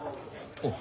おう。